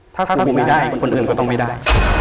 ถ้าครูไม่ได้คนอื่นก็ต้องไม่ได้